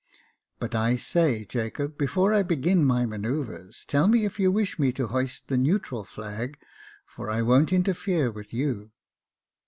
But I say, Jacob, before I begin my manoeuvres, tell me if you wish me to hoist the neutral flag — for I won't interfere with you."